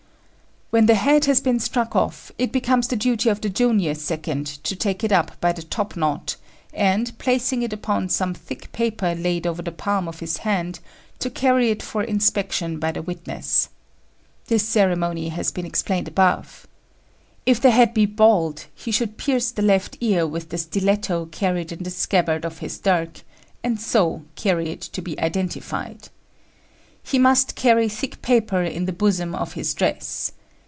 When the head has been struck off, it becomes the duty of the junior second to take it up by the top knot, and, placing it upon some thick paper laid over the palm of his hand, to carry it for inspection by the witness. This ceremony has been explained above. If the head be bald, he should pierce the left ear with the stiletto carried in the scabbard of his dirk, and so carry it to be identified. He must carry thick paper in the bosom of his dress.